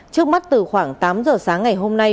trước mắt từ khoảng tám giờ sáng ngày hôm nay